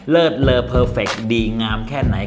เลอเพอร์เฟคดีงามแค่ไหน